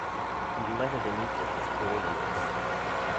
He lettered in each of his four years.